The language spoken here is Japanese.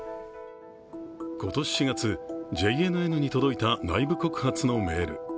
今年４月、ＪＮＮに届いた内部告発のメール。